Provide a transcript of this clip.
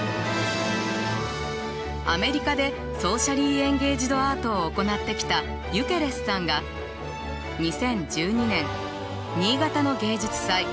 アメリカでソーシャリー・エンゲイジド・アートを行ってきたユケレスさんが２０１２年新潟の芸術祭